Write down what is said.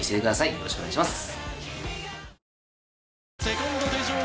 よろしくお願いします。